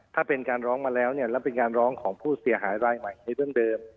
ถ้าเป็นการร้องมาแล้วเนี่ยแล้วเป็นการร้องของผู้เสียหายรายใหม่ในเรื่องเดิม